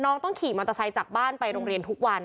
ต้องขี่มอเตอร์ไซค์จากบ้านไปโรงเรียนทุกวัน